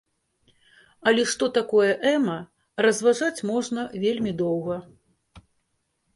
Але што такое эма разважаць можна вельмі доўга.